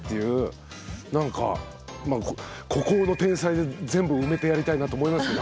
なんか「孤高の天才」で全部埋めてやりたいなと思いますね